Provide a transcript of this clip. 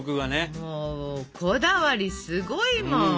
もうこだわりすごいもん！